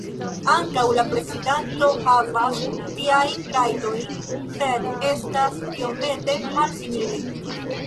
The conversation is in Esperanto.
Ankaŭ la prezidanto havas tiajn rajtojn sed estas iomete malsimile.